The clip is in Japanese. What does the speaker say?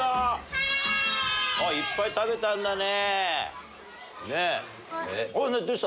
いっぱい食べたんだね。